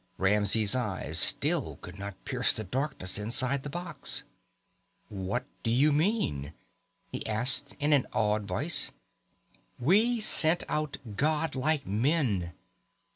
Ramsey's eyes still could not pierce the darkness inside the box. "What do you mean?" he asked in an awed voice. "We sent out god like men.